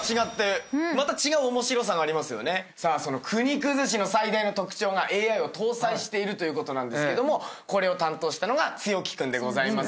その國崩しの最大の特徴がＡＩを搭載しているということなんですけどもこれを担当したのが毅君でございます。